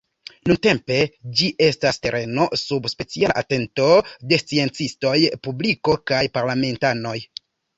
Nuntempe ĝi estas tereno sub speciala atento de sciencistoj, publiko kaj parlamentanoj.